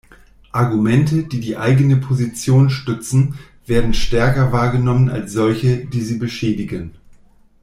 Argumente, die die eigene Position stützen, werden stärker wahrgenommen als solche, die sie beschädigen.